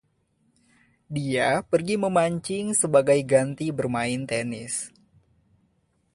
Dia pergi memancing sebagai ganti bermain tenis.